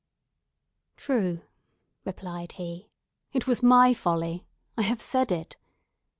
"True," replied he. "It was my folly! I have said it.